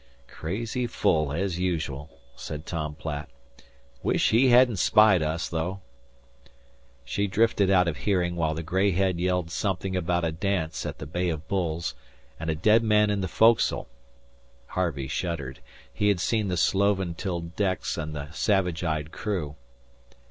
"Crazy full as usual," said Tom Platt. "Wish he hadn't spied us, though." She drifted out of hearing while the gray head yelled something about a dance at the Bay of Bulls and a dead man in the foc'sle. Harvey shuddered. He had seen the sloven tilled decks and the savage eyed crew.